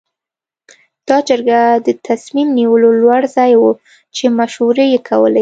دا جرګه د تصمیم نیولو لوړ ځای و چې مشورې یې کولې.